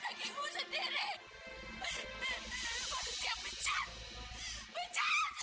kau akan mencimalah karena hidupnya tidak berguna lagi